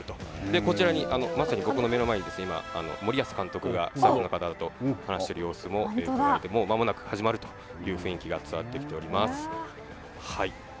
こちらに、まさにここの目の前に今、森保監督がスタッフの方と話している様子もうかがえて、もうまもなく始まるという雰囲気が伝わってきております。